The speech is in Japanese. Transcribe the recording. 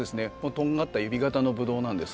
とんがった指形のブドウなんですが。